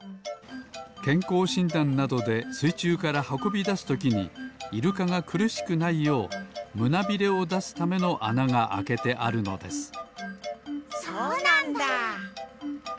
けんこうしんだんなどですいちゅうからはこびだすときにイルカがくるしくないようむなびれをだすためのあながあけてあるのですそうなんだ！